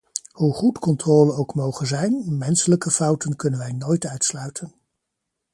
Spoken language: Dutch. Hoe goed controle ook moge zijn, menselijke fouten kunnen wij nooit uitsluiten.